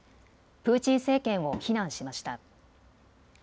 プーチン政権を非難しました。